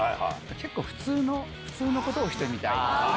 結構普通の、普通のことをしてみたい。